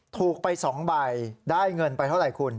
ถูกไป๒ใบได้เงินไปเท่าไหร่คุณ